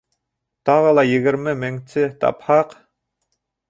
Тағы ла егерме меңце тапһаҡ...